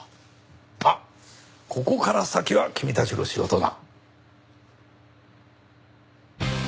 まあここから先は君たちの仕事だ。